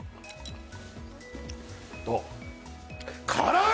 辛い！